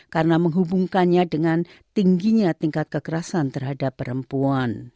karena menghubungkannya dengan tingginya tingkat kekerasan terhadap perempuan